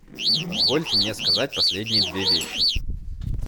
Позвольте мне сказать последние две вещи.